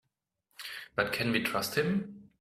But can we trust him?